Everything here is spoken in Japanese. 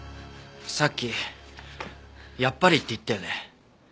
さっきやっぱりって言ったよね？